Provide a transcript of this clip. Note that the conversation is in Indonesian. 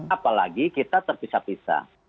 apalagi kita terpisah pisah